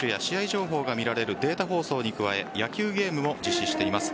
情報が見られるデータ放送に加え野球ゲームも実施しています。